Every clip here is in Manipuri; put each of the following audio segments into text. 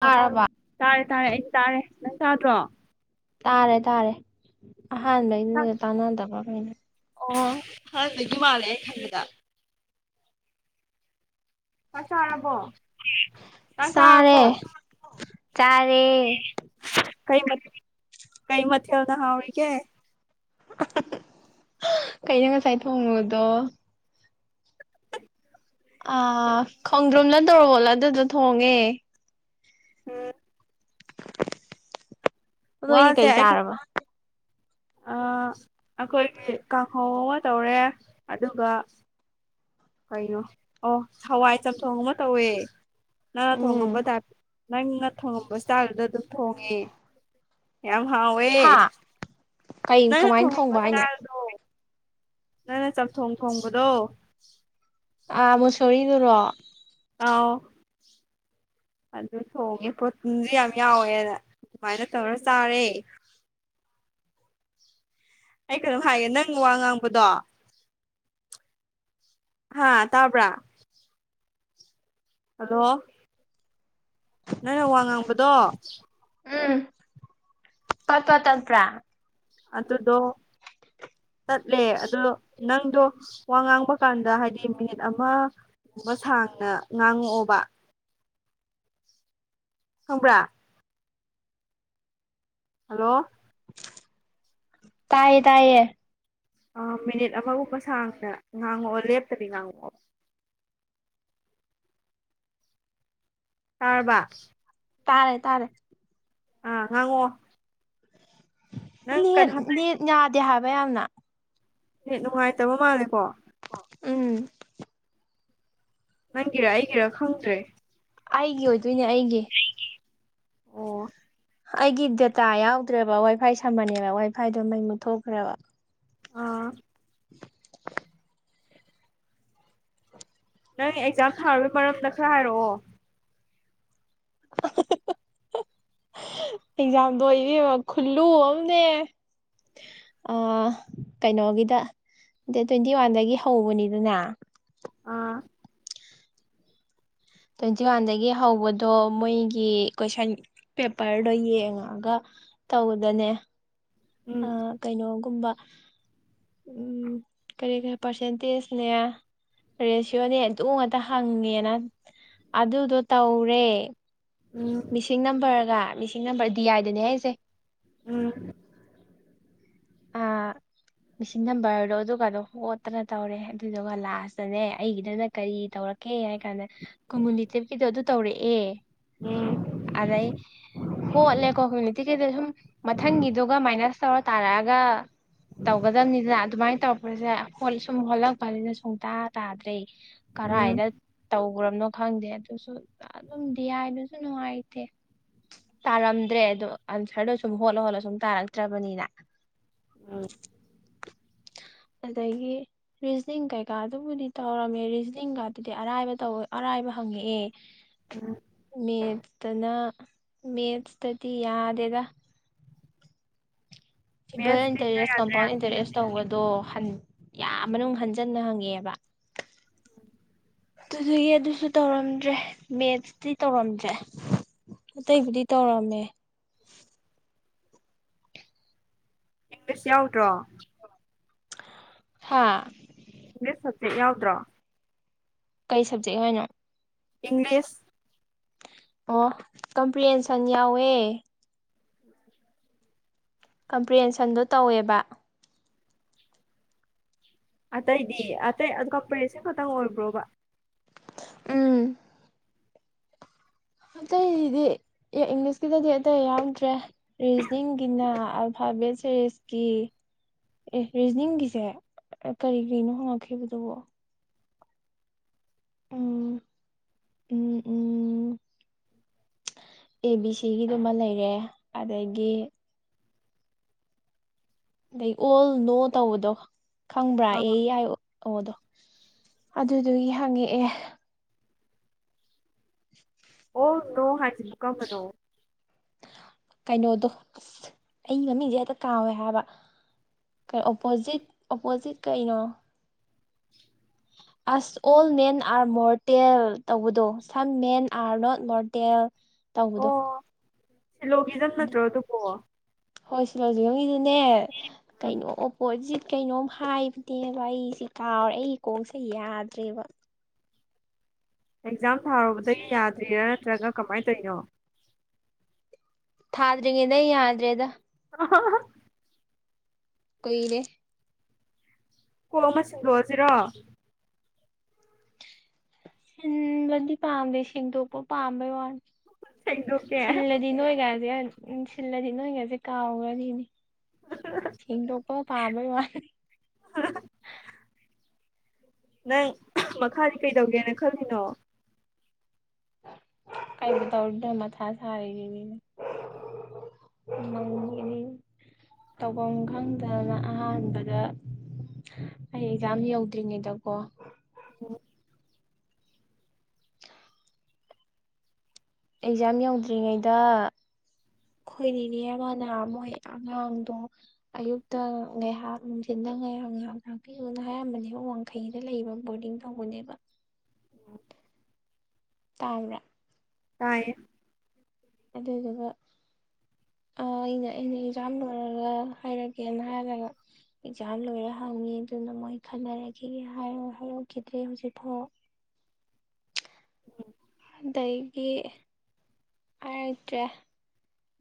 ꯑꯣ ꯑꯥꯔꯔꯕ ꯇꯥꯔꯦ ꯇꯥꯔꯦ ꯑꯩ ꯇꯥꯔꯦ ꯅꯪ ꯇꯥꯗ꯭ꯔꯣ ꯇꯥꯔꯦ ꯇꯥꯔꯦ ꯑꯍꯥꯟꯕꯩꯗꯨ ꯆꯥꯛ ꯇꯥꯟꯅꯗꯕ ꯀꯩꯅꯣ ꯑꯣ ꯍꯥꯟ ꯂꯩ ꯑꯗꯨ ꯃꯥ ꯂꯩꯦ ꯈꯪꯦꯗ ꯀ ꯆ ꯍꯥꯏꯔꯕꯣ ꯆꯔꯦ ꯆꯔꯦ ꯀꯩ ꯃ ꯀꯩ ꯃꯊ ꯌꯥꯎꯗ ꯍꯥꯥꯎꯥꯎꯒꯦ ꯀꯩꯅ ꯉꯁꯥꯏ ꯊꯣꯡꯉꯨꯗꯣ ꯑꯥ ꯈꯣꯡꯗ꯭ꯔꯨꯝꯅ ꯇꯧꯔꯒꯣꯠꯂꯣ ꯑꯗꯨꯗꯣ ꯊꯣꯡꯉꯦ ꯍꯝ ꯅꯣꯏꯅꯦ ꯋꯥꯁꯦ ꯀꯩ ꯑꯩ ꯆꯥꯔꯕ ꯑꯩꯈꯣꯏꯒꯤ ꯀꯥꯡꯍꯧ ꯑꯃ ꯇꯧꯔꯦ ꯑꯗꯨꯒ ꯀꯩꯅꯣ ꯑꯣ ꯍꯋꯥꯏ ꯆꯝꯊꯣꯡ ꯑꯃ ꯇꯧꯋꯦ ꯅꯪ ꯎꯝ ꯊꯣꯡꯉꯄ ꯇꯥꯏꯞꯇ ꯅꯪꯅ ꯊꯣꯉꯝꯕ ꯏꯁꯇꯥꯏꯜꯗꯨꯗ ꯑꯗꯨꯝ ꯊꯣꯡꯉꯦ ꯌꯥꯝ ꯍꯥꯎꯋꯦ ꯍꯥ ꯀꯩ ꯅꯪ ꯀꯃꯥꯏꯅ ꯊꯣꯡꯉꯝꯕ ꯊꯣꯡꯕ ꯍꯥꯏꯅꯣ ꯆꯥꯗꯣ ꯅꯪꯅ ꯆꯥꯛꯊꯣꯡ ꯊꯣꯡꯕꯗꯣ ꯑꯥ ꯃꯨꯁꯔꯤꯗꯨꯔꯣ ꯑꯥꯎ ꯑꯗꯨ ꯊꯣꯡꯉꯦ ꯄ꯭ꯔꯣꯇꯤꯟꯁꯨ ꯌꯥꯝ ꯌꯥꯎꯋꯦꯅ ꯑꯗꯨꯃꯥꯏꯅ ꯇꯧꯔ ꯆꯥꯔꯦ ꯑꯩ ꯀꯩꯅꯣꯝ ꯍꯥꯏꯒꯦ ꯅꯪ ꯋꯥ ꯉꯥꯡꯕꯗꯣ ꯍꯥ ꯇꯥꯕ꯭ꯔꯥ ꯍꯂꯣ ꯅꯪꯅ ꯋꯥ ꯉꯥꯡꯕꯗꯣ ꯀꯠꯄ ꯇꯠꯄ꯭ꯔꯥ ꯑ ꯑꯗꯨꯗꯣ ꯆꯠꯂꯦ ꯑꯗꯣ ꯅꯪꯗꯣ ꯋꯥ ꯉꯥꯡꯕ ꯀꯥꯟꯗ ꯍꯥꯏꯗꯤ ꯃꯤꯅꯤꯠ ꯑꯃ ꯕ ꯁꯥꯡꯅ ꯉꯥꯡꯉꯛꯑꯣꯕ ꯈ꯭ꯔꯥ ꯍꯜꯂꯣ ꯇꯥꯏꯌꯦ ꯇꯥꯏꯌꯦ ꯑꯥ ꯃꯤꯅꯤꯠ ꯑꯃꯒꯨꯝꯕ ꯁꯥꯡꯇꯅ ꯉꯥꯡꯉꯛꯑꯣ ꯂꯦꯞꯇꯕꯤ ꯉꯥꯡꯉꯛꯑꯣ ꯇꯔꯕꯥ ꯇꯥꯔꯦ ꯇꯥꯔꯦ ꯑ ꯉꯉꯣ ꯅꯦ ꯍꯟꯗꯛ ꯅꯦꯠ ꯌꯥꯗꯦ ꯍꯥꯏꯕ ꯌꯥꯝꯅ ꯍ ꯅꯨꯡꯉꯥꯏꯇꯕ ꯃꯥꯜꯂꯦꯀꯣ ꯎꯝ꯫ ꯅꯪꯒꯤꯔ ꯑꯩꯒꯤꯔꯥ ꯈꯪꯗ꯭ꯔꯦ꯫ ꯑꯩꯒꯤ ꯑꯣꯏꯗꯣꯏꯅꯦ ꯑꯩꯒꯤ꯫ ꯑꯩꯒꯤ ꯑꫭ꯫ ꯑꯩꯒꯤ ꯗꯇꯥ ꯌꯥꯎꯗ꯭ꯔꯦꯕ ꯋꯥꯏ ꯐꯥꯏ ꯁꯝꯕꯅꯦꯕ ꯋꯥꯏ ꯐꯥꯏꯗꯨꯣ ꯃꯩ ꯃꯨꯠꯊꯣꯛꯈ꯭ꯔꯦꯕ꯫ ꯑꯥ꯫ [unintelligible] ꯅꯪ ꯑꯦꯛꯖꯥꯝ ꯊꯥꯔꯒꯤ ꯃꯔꯝꯗ ꯈꯔ ꯍꯥꯏꯔꯛꯑꯣ꯫ [unintelligible] ꯑꯦꯡꯖꯥꯝꯗꯣ ꯑꯣꯏꯕꯤꯕ ꯈꯨꯜꯂꯨ ꯑꯃꯅꯦ꯫ ꯑꯥ ꯀꯩꯅꯣꯒꯤꯗ ꯗꯦꯠ ꯇ꯭ꯋꯦꯟꯇꯤ ꯋꯥꯟꯗꯒꯤ ꯍꯧꯕꯅꯤꯗꯅ꯫ ꯑꯥ꯫ ꯇ꯭ꯋꯦꯟꯇꯤ ꯋꯥꯟꯗꯒꯤ ꯍꯧꯕꯗꯣ ꯃꯣꯏꯒꯤ ꯀꯣꯏꯁꯟ ꯄꯦꯄꯔꯗꯣ ꯌꯦꯡꯉꯒ ꯇꯧꯗꯅꯦ ꯎꯝ ꯑꯥ ꯀꯩꯅꯣꯒꯨꯝꯕ ꯎꯃ ꯀꯔꯤ ꯀꯔꯤ ꯄꯥꯔꯁꯦꯟꯇꯦꯖꯅꯦ ꯔꯦꯁꯤꯌꯣꯅꯦ ꯑꯗꯨ ꯉꯇ ꯍꯪꯉꯦꯅ ꯑꯗꯨꯗꯣ ꯇꯧꯔꯦ꯫ ꯎꯝ꯫ ꯃꯤꯁꯤꯡ ꯅꯝꯕꯔꯒ ꯃꯤꯁꯤꯡ ꯅꯝꯕꯔ ꯗꯤ ꯑꯥꯏꯗꯅꯦ ꯍꯥꯏꯁꯦ꯫ ꯎꯝ꯫ [inaudible] ꯃꯤꯁꯤꯡ ꯅꯝꯕꯔꯗꯣ ꯑꯗꯨꯒꯗꯣ ꯍꯣꯠꯇꯅ ꯇꯧꯔꯦ ꯑꯗꯨꯗꯨꯒ ꯂꯥꯁꯇꯅꯦ ꯑꯩꯒꯤꯗꯅ ꯀꯔꯤ ꯇꯧꯔ ꯀꯩ ꯍꯥꯏ ꯀꯥꯟꯗ ꯀꯣꯃꯨꯅꯤꯇꯤꯞꯀꯤꯗꯣ ꯑꯗꯨ ꯇꯧꯔꯛꯑꯦ꯫ ꯑꯗꯩ ꯎꯝ꯫ ꯍꯣꯠꯂꯦꯀꯣ ꯀꯃꯌꯨꯅꯤꯇꯤ ꯀꯩꯗ ꯁꯨꯝ ꯃꯊꯪꯒꯤꯗꯨꯒ ꯃꯥꯏꯅꯁ ꯇꯧꯔ ꯇꯥꯔꯛꯑꯒ ꯇꯧꯒꯗꯕꯅꯤꯗꯅ ꯑꯗꯨꯃꯥꯏꯅ ꯇꯧꯔ ꯄꯁꯦ ꯁꯨꯝ ꯍꯣꯠꯂꯛꯄꯅꯤꯅ ꯁꯨꯡꯇꯥ ꯇꯥꯗ꯭ꯔꯦ ꯀꯔꯥꯏꯗ ꯎꯝ ꯇꯧ ꯎꯔꯝꯅꯣ ꯈꯪꯗꯦ ꯑꯗꯨꯁꯨ ꯑꯗꯨꯝ ꯗꯤ ꯑꯥꯏꯗꯨꯁꯨ ꯅꯨꯡꯉꯥꯏꯇꯦ꯫ ꯇꯥꯔꯝꯗ꯭ꯔꯦ ꯑꯗꯣ ꯑꯟꯁꯔꯗꯣ ꯁꯨꯝ ꯍꯣꯠꯂ ꯍꯣꯠꯂꯣ ꯁꯨꯝ ꯇꯥꯔꯛꯇ꯭ꯔꯕꯅꯤꯅ꯫ ꯎꯝ꯫ ꯑꯗꯒꯤ ꯔꯤꯖꯅꯤꯡ ꯀꯩꯀꯥ ꯑꯗꯨꯕꯨꯗꯤ ꯇꯧꯔꯝꯃꯦ ꯔꯤꯖꯅꯤꯡꯒꯗꯨꯗꯤ ꯑꯔꯥꯏꯕ ꯇꯧ ꯑꯔꯥꯏꯕ ꯍꯪꯉꯛꯑꯦ꯫ ꯎꯝ꯫ ꯃꯦꯠꯁꯇꯅ ꯃꯦꯠꯁꯇꯗꯤ ꯌꯥꯗꯦꯗ꯫ ꯁꯤꯝꯄꯜ ꯃꯦꯠꯁꯇꯤ ꯏꯌꯥ ꯏꯟꯇꯔꯦꯁ ꯌꯥꯗ꯭ꯔꯦ ꯀꯝꯄꯥꯎꯟ ꯏꯟꯇꯔꯦꯁ꯫ ꯇꯧꯕꯗꯣ ꯍꯟ ꯌꯥꯝ ꯃꯅꯨꯡ ꯍꯟꯖꯟꯅ ꯍꯪꯉꯦꯕ꯫ ꯑꯗꯨꯗꯒꯤ ꯑꯗꯨꯁꯨ ꯇꯧꯔꯝꯗ꯭ꯔꯦ ꯃꯦꯠꯁꯇꯤ ꯇꯧꯔꯝꯗ꯭ꯔꯦ꯫ ꯑꯇꯩꯕꯨꯗꯤ ꯇꯧꯔꯝꯃꯦ꯫ ꯏꯪꯂꯤꯁ ꯌꯥꯎꯗ꯭ꯔꯣ꯫ ꯍꯥꯥ꯫ ꯏꯡꯂꯤꯁ ꯁꯕꯖꯦꯛ ꯌꯥꯎꯗ꯭ꯔꯣ꯫ ꯀꯩ ꯁꯕꯖꯦꯛ ꯍꯥꯏꯅꯣ꯫ ꯏꯪꯂꯤꯁ꯫ ꯑꯣ ꯀꯝꯄ꯭ꯔꯦꯟꯁꯟ ꯌꯥꯎꯋꯦ꯫ ꯀꯝꯄ꯭ꯔꯦꯟꯁꯟꯗꯣ ꯇꯧꯋꯦꯕ꯫ ꯑꯇꯩꯗꯤ ꯑꯇꯩ ꯀꯝꯄ꯭ꯔꯦꯟꯁꯟ ꯈꯛꯇꯪ ꯑꯣꯏꯕ꯭ꯔꯣꯕ꯫ ꯎꯝ꯫ ꯑꯇꯩꯗꯤ ꯏꯪꯂꯤꯁꯀꯤꯗꯗꯤ ꯑꯇꯩ ꯌꯥꯎꯗ꯭ꯔꯦ ꯔꯤꯖꯅꯤꯡꯒꯤꯅ ꯐꯥꯕꯦꯠ ꯁꯤꯔꯤꯁꯀꯤ ꯑꯦ ꯔꯤꯖꯅꯤꯡꯒꯤꯁꯦ ꯀꯔꯤ ꯀꯔꯤꯅꯣ ꯍꯪꯉꯛꯈꯤꯕꯗꯨꯕꯣ꯫ ꯎꯝ ꯎꯝ ꯎꯝ꯫ ꯑꯦ ꯕꯤ ꯁꯤꯒꯤꯗꯨꯃ ꯂꯩꯔꯦ ꯑꯗꯒꯤ ꯑꯗꯩ ꯑꯣꯜ ꯅꯣ ꯇꯧꯕꯗꯣ ꯈꯪꯕ꯭ꯔꯥ ꯑ ꯑꯦ ꯑꯥꯏ ꯑꯣ ꯑꯣꯗꯣ ꯑꯗꯨꯗꯨꯒꯤ ꯍꯪꯉꯛꯑꯦ ꯑꯣꯜ ꯅ‌ꯣ ꯍꯥꯏꯁꯤꯕꯨ ꯀꯔꯝꯕꯅ‌ꯣ ꯀꯩꯅꯣꯗꯣ ꯑꯁ ꯑꯩ ꯃꯃꯤꯡꯁꯦ ꯍꯦꯛꯇ ꯀꯥꯎꯋꯦ ꯍꯥꯏꯕ ꯀ ꯑꯣꯄꯣꯖꯤꯠ ꯑꯣꯄꯣꯖꯤꯠ ꯀꯩꯅꯣ ꯑꯁ ꯑꯣꯜ ꯃꯦꯟ ꯑꯥꯔ ꯃꯣꯔꯇꯦꯜ ꯇꯧꯕꯗꯣ some men are not mortal ꯇꯧꯕꯗꯣ ꯁꯤꯜꯂꯣꯒꯤꯖꯝ ꯑꯗꯨ ꯅꯠꯇ꯭ꯔꯣ ꯑꯗꯨꯀꯣ ꯍꯣꯏ ꯁꯤꯂꯖꯤꯒꯤꯗꯨꯅꯦ ꯎꯝ ꯀꯩꯅꯣ ꯑꯣꯄꯣꯠ ꯀꯩꯅꯣꯝ ꯍꯥꯏꯕꯅꯦꯕ ꯑꯩꯁꯤꯦ ꯀꯥꯎꯔꯦ ꯑꯩꯒꯤ ꯀꯣꯡꯁꯦ ꯌꯥꯗ꯭ꯔꯦꯕ ꯑꯦꯛꯖꯥꯝ ꯊꯥꯔꯨꯕꯗꯒꯤ ꯌꯥꯗ꯭ꯔꯤꯔꯥ ꯅꯠꯇ꯭ꯔꯒ ꯀꯃꯥꯏꯅ ꯇꯧꯔꯤꯅꯣ ꯊꯥꯗ꯭ꯔꯤꯉꯩꯗ ꯌꯥꯗ꯭ꯔꯦꯗ ꯑꯍꯥ ꯑꯍ ꯀꯨꯏꯔꯦ ꯀꯣꯛ ꯑꯃ ꯁꯤꯟꯗꯣꯛ ꯑꯖꯤꯔꯣ ꯎꯝ ꯂꯗꯤ ꯄꯥꯝꯗ ꯁꯤꯁꯤꯡꯗꯣꯄ ꯄꯥꯝꯕꯩ ꯋꯥꯅ‌ꯦ ꯁꯦꯡꯗꯣꯛꯀꯦ ꯁꯤꯜꯂꯗꯤ ꯅꯣꯏꯒꯖ‌ꯦ ꯎ ꯁꯤꯜꯂꯗꯤ ꯅꯣꯏꯒꯥꯖ‌ꯦ ꯀꯥꯎꯒꯅꯤꯅꯦ ꯁ‌ꯦꯡꯗ‌ꯣꯛꯄ ꯄꯥꯝꯕꯩ ꯋꯥꯅꯤ ꯑꯍ ꯅꯪ ꯃꯈꯥꯗꯤ ꯀꯩꯗꯧꯒꯦꯅ ꯈꯜꯂꯤꯅꯣ ꯀꯩꯕꯨ ꯇꯧꯔꯨꯗ ꯃꯊꯥ‌ ꯁꯥꯏꯌ‌ꯦ ꯃꯪꯉꯨꯔ‌ꯦ ꯇꯧꯕꯝ ꯈꯪꯗꯔ‌ꯦ ꯍꯥꯏꯕ ꯑꯍꯥꯟꯕꯗ ꯑꯩ ꯑꯦꯛꯖꯥꯝ ꯌꯧꯗ꯭ꯔꯤꯉꯩꯗꯀꯣ ꯑꯣ ꯑꯦꯛꯖꯥꯝ ꯌꯧꯗ꯭ꯔꯤꯉꯩꯗ ꯑꯩꯈꯣꯏꯅꯤꯅꯦ ꯑꯃꯅ ꯅꯍꯥꯟ ꯃꯣꯏ ꯑꯉꯥꯡꯗꯣ ꯑꯌꯨꯛꯇ ꯉꯥꯏꯍꯥꯛ ꯅꯨꯡꯊꯤꯟꯗ ꯉꯥꯏꯍꯥꯛ ꯉꯥꯏꯍꯥꯛ ꯉꯥꯛꯄꯤꯌꯨꯅ ꯍꯥꯏꯔꯝꯕꯅꯦ ꯋꯥꯡ ꯈꯩꯗ ꯂꯩꯕ ꯕꯣꯔꯗꯤꯡ ꯇꯧꯕꯅꯦꯕ ꯇꯥꯕ꯭ꯔꯥ ꯇꯥꯏ ꯑꯗꯨꯗꯨꯒ ꯑ ꯑꯩꯅ ꯑꯩꯅ ꯑꯦꯛꯖꯥꯝ ꯂꯣꯏꯔꯒ ꯍꯥꯏꯔꯛꯒꯦꯅ ꯍꯥꯏꯔꯔꯒ ꯑꯦꯛꯖꯥꯝ ꯂꯣꯏꯔ ꯍꯪꯉꯤ ꯑꯗꯨꯅ ꯃꯣꯏ ꯈꯟꯅꯔꯛꯈꯤꯒꯦꯔ ꯍꯥꯏꯔꯛꯈꯤꯗ꯭ꯔꯦ ꯍꯧꯖꯤꯛꯐꯥꯎ ꯎꯝ ꯑꯗꯒꯤ ꯍꯥꯏꯔꯛꯇ꯭ꯔꯦ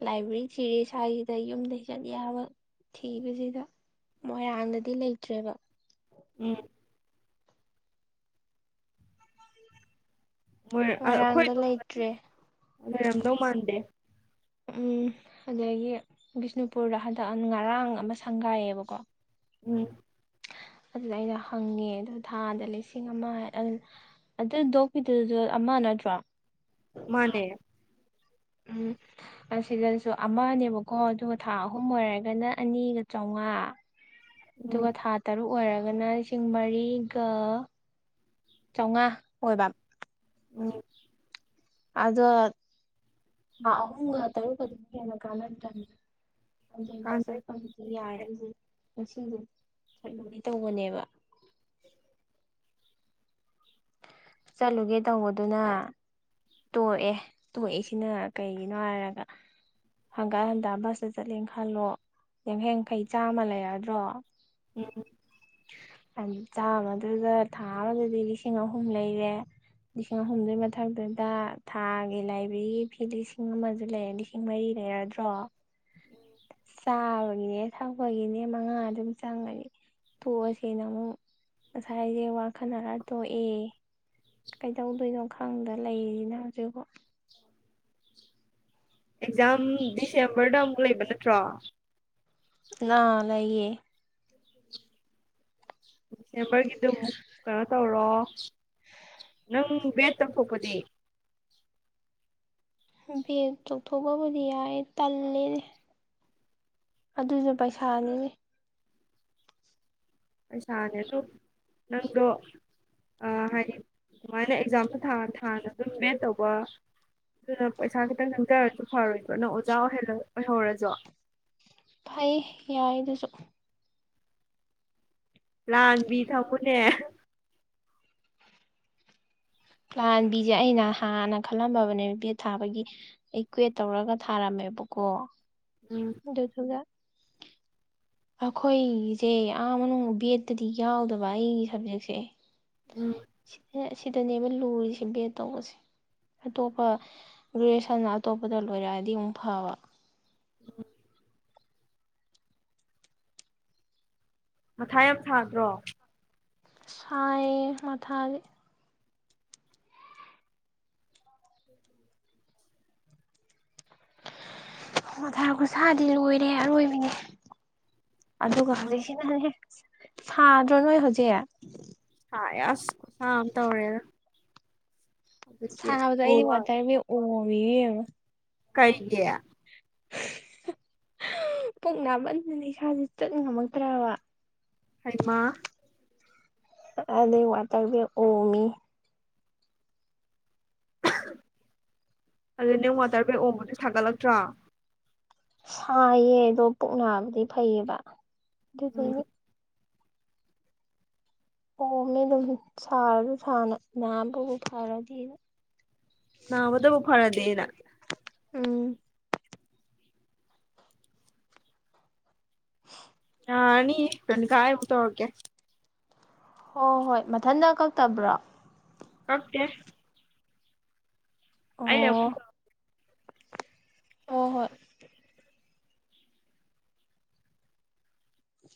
ꯂꯥꯏꯕ꯭ꯔꯦꯔꯤ ꯊꯤꯔ ꯁ꯭ꯋꯥꯏꯁꯤꯗ ꯌꯨꯝꯗ ꯍ ꯆꯠ ꯌꯥꯕ ꯊꯤꯕꯁꯤꯗ ꯃꯣꯏꯔꯥꯡꯗꯗꯤ ꯂꯩꯇ꯭ꯔꯦꯕ ꯎꯝ ꯃ‌ꯣꯏ ꯑꯩꯈꯣꯏ ꯃꯣꯏꯔꯥꯡꯗ ꯂꯩꯇ꯭ꯔꯦ ꯑꯗꯣꯄꯗꯤ ꯂꯩꯔꯝꯗꯧ ꯃꯥꯟꯗꯦ ꯎꯝ ꯑꯗꯒꯤ ꯕꯤꯁꯅꯨꯄꯨꯔꯗ ꯍꯟꯗꯛ ꯉꯔꯥꯡ ꯑꯃ ꯁꯪꯒꯥꯏꯌꯦꯕꯀꯣ ꯎꯝ ꯑꯗꯨꯗ ꯑꯩꯅ ꯍꯪꯉꯦ ꯑꯗ ꯊꯥꯗ ꯂꯤꯁꯤꯡ ꯑꯃ ꯑꯗꯨꯅ ꯑꯗꯨ ꯗꯣꯛ ꯄꯤꯗꯨꯁꯨ ꯑꯃ ꯅꯠꯇ꯭ꯔꯣ ꯃꯅꯦ ꯎꯝ ꯑꯁꯤꯗꯁꯨ ꯑꯃꯅꯦꯕꯀꯣ ꯑꯗꯨꯒ ꯊꯥ ꯑꯍꯨꯝ ꯑꯣꯏꯔꯒꯅ ꯑꯅꯤꯒ ꯆꯥꯝꯃꯉꯥ [unintelligible] ꯇꯒ ꯊꯥ ꯇꯔꯨꯛ ꯑꯣꯏꯔꯒꯅ ꯂꯤꯁꯤꯡ ꯃꯔꯤꯒ ꯆꯥꯝꯃꯉꯥ ꯑꯣꯏꯕ ꯎꯝ ꯑꯗꯣ ꯊꯥ ꯑꯍꯨꯝ ꯇꯧꯕꯅ ꯍꯦꯅ ꯀꯅꯗꯔ ꯑꯗꯨꯕ ꯀꯥꯟꯗꯦ ꯆꯠꯄꯕꯨꯗꯤ ꯌꯥꯏ ꯑꯩꯁꯦ ꯉꯁꯤꯡꯁꯦ ꯆꯠꯂꯒ ꯇꯧꯕꯅꯦꯕ ꯆꯠꯂꯨꯒꯦ ꯇꯧꯕꯗꯨꯅ ꯇꯣꯛꯑꯦ ꯇꯣꯛꯏꯁꯤꯅ ꯀꯩꯒꯤꯅꯣ ꯍꯥꯏꯔꯒ ꯍꯟꯀꯠ ꯍꯟꯗꯠ ꯕꯁꯇ ꯆꯠꯂꯦ ꯈꯜꯂꯣ ꯌꯥꯡꯈꯩ ꯌꯥꯡꯈꯩ ꯆꯥꯝꯃ ꯂꯩꯔꯗ꯭ꯔꯣ ꯑꯝ ꯆꯥꯝꯃꯗꯨꯗ ꯊꯥ ꯑꯃꯗꯗꯤ ꯂꯤꯁꯤꯡ ꯑꯍꯨꯝ ꯂꯩꯔꯦ ꯂꯤꯁꯤꯡ ꯑꯍꯨꯝꯗꯨꯏ ꯃꯊꯛꯇ ꯊꯥꯒꯤ ꯂꯥꯏꯕ꯭ꯔꯦꯔꯤ ꯐꯤ ꯂꯤꯁꯤꯡ ꯑꯃꯁꯨ ꯂꯩꯔꯦ ꯂꯤꯁꯤꯡ ꯃꯔꯤ ꯂꯩꯔꯗ꯭ꯔꯣ ꯆꯥꯕꯒꯤꯅꯦ ꯊꯛꯄꯒꯤꯅꯦ ꯃꯉꯥ ꯑꯗꯨꯝ ꯆꯪꯉꯅꯤ ꯇꯣꯛꯑꯁꯅ ꯑꯃꯨꯛ ꯉꯁꯥꯏꯁꯦ ꯋꯥꯈꯠꯅꯔ ꯇꯣꯛꯑꯦ ꯀꯩꯗꯧꯗꯣꯏꯅꯣ ꯈꯪꯗ ꯂꯩꯔꯤꯅ ꯍꯧꯖꯤꯛꯕꯣ ꯑꯦꯛꯖꯥꯝ ꯗꯤꯁꯦꯝꯕꯔꯗ ꯑꯃꯨꯛ ꯂꯩꯕ ꯅꯠꯇ꯭ꯔꯣ ꯂ ꯂꯩꯌꯦ ꯗꯤꯁꯦꯝꯕꯔꯒꯤꯗꯨ ꯑꯃꯨꯛ ꯀꯩꯅꯣ ꯇꯧꯔꯣ ꯅꯪ ꯕꯦꯠ ꯇꯧꯊꯣꯛꯄꯗꯤ ꯕꯦꯠ ꯇꯧꯊꯣꯛꯄꯕꯨꯗꯤ ꯌꯥꯏ ꯇꯜꯂꯦꯅꯦ ꯑꯗꯨꯁꯨ ꯄꯩꯁꯥꯅꯤꯅꯦ ꯄꯩꯁꯥꯅꯦ ꯁꯨ ꯅꯪꯗꯣ ꯍꯥꯏꯗꯤ ꯑꯗꯨꯃꯥꯏꯅ ꯑꯦꯛꯖꯥꯝꯁꯨ ꯊꯥ ꯊꯥꯅ ꯑꯗꯨꯝ ꯕꯦꯠ ꯇꯧꯕ ꯑꯗꯨꯅ ꯄꯩꯁꯥ ꯈꯤꯇꯪ ꯆꯪꯖꯔꯁꯨ ꯐꯔꯣꯏꯗꯔꯣ ꯅ ꯑꯣꯖꯥ ꯑꯣꯏ ꯑꯣꯏꯍꯧꯔꯁꯨ ꯐꯩ ꯌꯥꯏ ꯑꯗꯨꯁꯨ ꯂꯥꯡꯕꯤ ꯊꯝꯃꯨꯅꯦ ꯥꯂꯥꯟꯕꯤꯁꯦ ꯑꯩꯅ ꯍꯥꯟꯅ ꯈꯜꯂꯝꯃꯕꯅꯦ ꯕꯦꯠ ꯊꯥꯕꯒꯤ ꯑꯩ ꯀ꯭ꯋꯦꯠ ꯇꯧꯔꯒ ꯊꯥꯔꯝꯃꯦꯕꯀꯣ ꯎꯝ ꯑꯗꯨꯗꯨꯒ ꯑꯩꯈꯣꯏꯒꯤꯁꯦ ꯑꯥ ꯃꯅꯨꯡ ꯕꯦꯠꯇꯗꯤ ꯌꯥꯎꯗꯕ ꯑꯩꯒꯤ ꯁꯕꯖꯦꯛꯁꯦ ꯎꯝ ꯁꯤꯗꯅꯦꯕ ꯂꯨꯔꯤꯁꯦ ꯕꯦꯠ ꯇꯧꯕꯁꯦ ꯑꯇꯣꯞꯄ ꯒ꯭ꯔꯦꯖꯁꯟ ꯑꯇꯣꯞꯄꯗ ꯂꯣꯏꯔꯛꯑꯗꯤ ꯑꯃꯨꯛ ꯐꯕ ꯃꯊꯥ ꯌꯥꯝ ꯁꯥꯗ꯭ꯔꯣ ꯁꯥꯏ ꯃꯊꯥꯖꯦ ꯎꯝ ꯃꯊꯥ ꯈꯨꯁꯥꯗꯤ ꯂꯣꯏꯔꯦ ꯑꯔꯣꯏꯕꯤꯅꯦ ꯑꯗꯨꯒ ꯍꯧꯖꯤꯛ ꯁꯤꯅꯅꯦ ꯁꯥꯗ꯭ꯔꯣ ꯅꯣꯏ ꯍꯧꯖꯤꯛ ꯁꯥꯌꯦ ꯑꯁ ꯈꯨꯁꯥ ꯑꯝ ꯇꯧꯔꯦꯗ ꯍꯧꯖꯤꯛꯇꯤ ꯁꯥꯕꯗꯣ ꯑꯣ ꯑꯩꯗꯤ ꯋꯥ ꯋꯥꯇ꯭ꯔ ꯕꯦꯛ ꯑꯣꯝꯃꯤꯌꯦ ꯌꯦꯡ ꯀꯩꯒꯤ ꯄꯨꯛ ꯅꯥꯃꯟꯗꯅ ꯏꯁꯥꯥꯁꯦ ꯆꯠ ꯉꯝꯃꯛꯇ꯭ꯔꯕ ꯍꯩꯃꯥ ꯉꯥꯁꯥꯏꯗꯩꯩ ꯋꯥꯇꯔ ꯕꯦꯛ ꯑꯣꯝꯃꯤ ꯑꯗꯨ ꯅꯪ ꯋꯥꯇꯔ ꯕꯦꯡ ꯑꯣꯝꯕꯗꯤ ꯁꯥꯒꯠꯂꯛꯇ꯭ꯔꯣ ꯁꯥꯏꯌꯦ ꯑꯗꯣ ꯄꯨꯛꯅꯥꯕꯗꯤ ꯐꯩꯌꯦꯕ ꯎꯝ ꯑꯗꯨꯗꯨꯗꯤ ꯑꯣꯝꯃꯤ ꯑꯗꯨꯝ ꯁꯥꯔꯁꯨ ꯁꯥꯅ ꯅꯥꯕꯕꯨ ꯐꯔꯗꯤ ꯅꯕꯗꯨꯕꯨ ꯐꯔꯗꯤꯅ ꯎꯝ ꯅꯔꯅꯤꯀꯥ ꯑꯃꯨꯛ ꯇꯧꯔꯛꯀꯦ ꯍꯣꯏ ꯍꯣꯏ ꯃꯊꯟꯇ ꯀꯛꯇꯕ꯭ꯔꯣ ꯀꯛꯇꯦ ꯑꯩ ꯑꯣ ꯑꯣ ꯍꯣꯏ